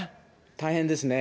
大変ですね。